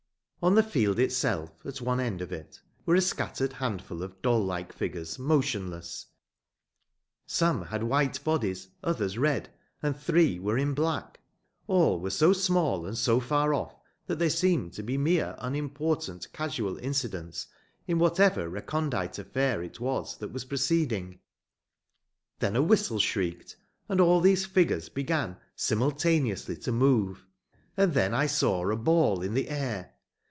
On the field itself, at one end of it, were a scattered handful of doll like figures, motionless; some had white bodies, others red; and three were in black; all were so small and so far off that they seemed to be mere unimportant casual incidents in whatever recondite affair it was that was proceeding. Then a whistle shrieked, and all these figures began simultaneously to move, and then I saw a ball in the air.